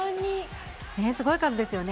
すごい数ですよね。